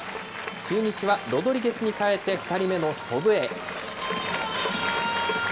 中日はロドリゲスに代えて２人目の祖父江。